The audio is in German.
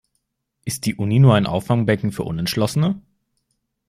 Ist die Uni nur ein Auffangbecken für Unentschlossene?